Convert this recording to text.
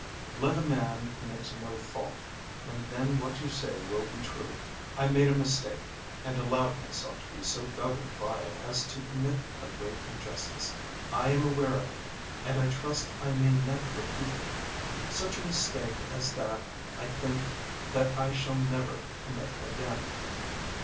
"Let a man commit no fault, and then what you say will be true. I made a mistake, and allowed myself to be so governed by it as to commit a great injustice. I am aware of it, and I trust I may never repeat it. Such a mistake as that I think that I shall never commit again.